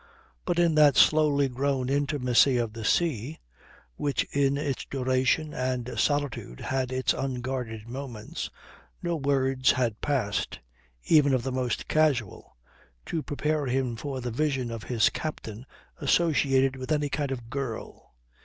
But in that slowly grown intimacy of the sea, which in its duration and solitude had its unguarded moments, no words had passed, even of the most casual, to prepare him for the vision of his captain associated with any kind of girl.